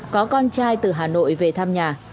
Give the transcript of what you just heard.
có con trai từ hà nội về thăm nhà